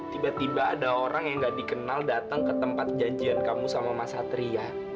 tiba tiba ada orang yang gak dikenal datang ke tempat janjian kamu sama mas satria